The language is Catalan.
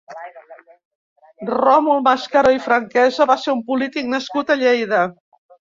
Ròmul Mascaró i Franquesa va ser un polític nascut a Lleida.